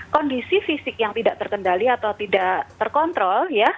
kondisi fisik yang tidak terkendali atau tidak terkontrol